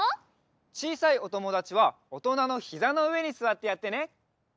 ちいさいおともだちはおとなのひざのうえにすわってやってね。